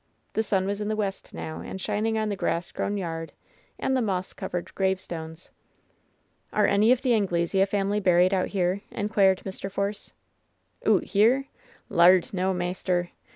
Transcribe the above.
The sun was in the west now, and shining on the grass grown yard and the moss covered gravestones. "Are any of the Anglesea family buried out here ?" inquired Mr. Force. "Oot here? Laird, no, maister!